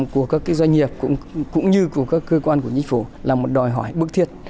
của các doanh nghiệp cũng như của các cơ quan của nhật phủ là một đòi hỏi bước thiết